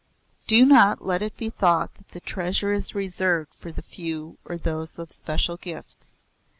Do not let it be thought that the treasure is reserved for the few or those of special gifts.